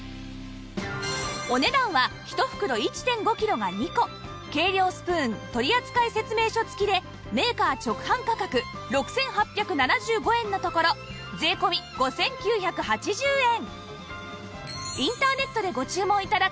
お値段は１袋 １．５ キロが２個計量スプーン取扱説明書付きでメーカー直販価格６８７５円のところ税込５９８０円